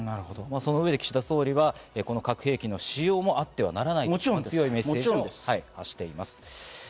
その上で岸田総理は核兵器の使用もあってはならないと強いメッセージを出しています。